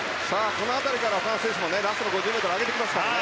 この辺りから他の選手もラスト５０ｍ上げてきますからね。